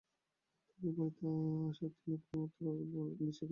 তার এ বাড়িতে আসার দিন থেকে এই একটিমাত্র রাতে আমি নিশ্চিন্তে একটু ঘুমুতে পারলাম।